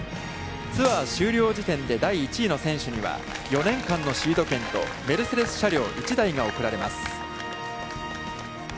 ツアー終了時点で第１位の選手には、４年間のシード権とメルセデス車両１台が贈られます。